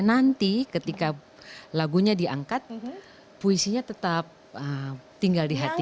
nanti ketika lagunya diangkat puisinya tetap tinggal di hati